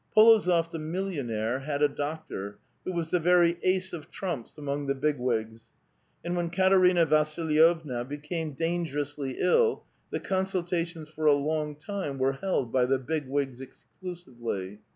P61ozof the millionnaire had a doctor who was the verv ace of tramps among the Big Wigs, and when Katerina Vasll yevna became dangerously ill, the consultations for a long time were held by the Big Wigs exclusively.